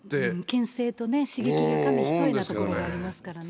けん制とね、刺激が紙一重なところがありますからね。